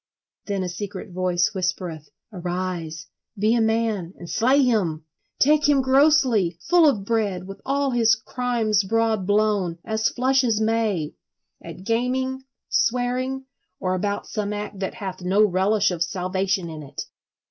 Then a secret voice whispereth: "Arise, be a man, and slay him! Take him grossly, full of bread, with all his crimes broad blown, as flush as May; At gaming, swearing, or about some act That hath no relish of salvation in it!"